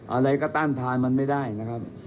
อะไรก็ต้านทานมันไม่ได้นะครับ